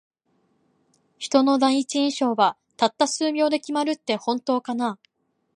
人の第一印象は、たった数秒で決まるって本当かな。